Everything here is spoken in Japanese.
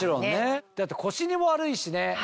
だって腰にも悪いしね。